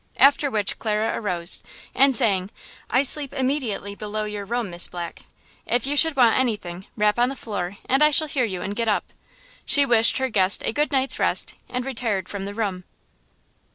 After which Clara arose, and saying, "I sleep immediately below your room, Miss Black; if you should want anything rap on the floor and I shall hear you and get up;" she wished her guest a good night's rest and retired from the room.